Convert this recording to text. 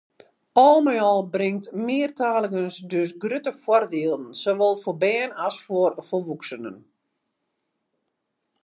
Al mei al bringt meartaligens dus grutte foardielen, sawol foar bern as foar folwoeksenen.